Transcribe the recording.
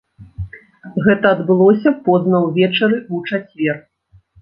Гэта адбылося позна ўвечары ў чацвер.